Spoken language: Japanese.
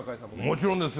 もちろんです。